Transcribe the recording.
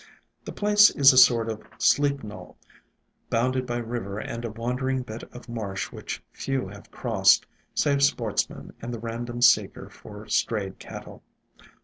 The place is a sort of steep knoll, bounded by river IN SILENT WOODS and a wandering bit of marsh which few have crossed, save sportsmen and the random seeker for strayed cattle.